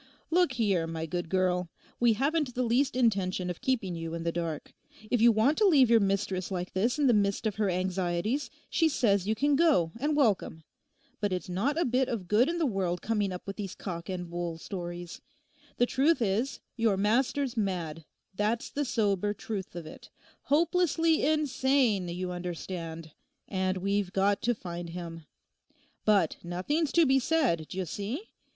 'Look here, my good girl, we haven't the least intention of keeping you in the dark. If you want to leave your mistress like this in the midst of her anxieties she says you can go and welcome. But it's not a bit of good in the world coming up with these cock and bull stories. The truth is your master's mad, that's the sober truth of it—hopelessly insane, you understand; and we've got to find him. But nothing's to be said, d'ye see?